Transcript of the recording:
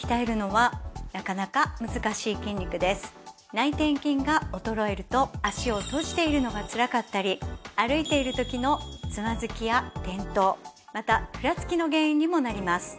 内転筋が衰えると脚を閉じているのがつらかったり歩いている時のつまずきや転倒またふらつきの原因にもなります。